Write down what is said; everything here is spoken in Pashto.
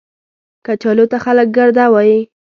کچالو ته خلک ګرده وايي